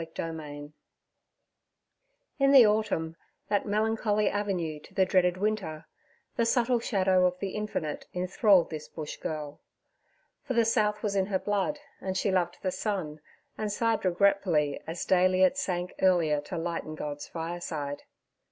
Chapter 5 IN the autumn, that melancholy avenue to the dreaded winter, the subtle shadow of the infinite enthralled this Bush girl; for the South was in her blood, and she loved the sun, and sighed regretfully as daily it sank earlier to lighten God's fireside.